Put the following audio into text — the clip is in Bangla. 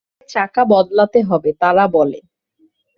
"আমাদের চাকা বদলাতে হবে," তারা বলে।